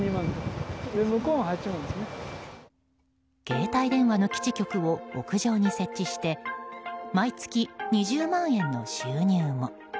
携帯電話の基地局を屋上に設置して毎月２０万円の収入も。